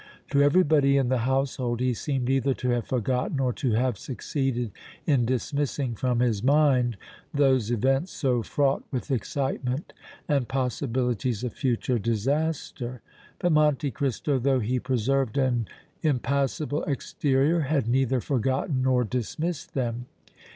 To everybody in the household he seemed either to have forgotten or to have succeeded in dismissing from his mind those events so fraught with excitement and possibilities of future disaster. But Monte Cristo, though he preserved an impassible exterior, had neither forgotten nor dismissed them.